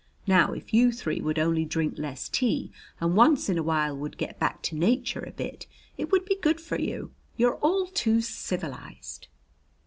Now, if you three would only drink less tea and once in a while would get back to Nature a bit, it would be good for you. You're all too civilized."